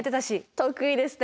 得意ですね。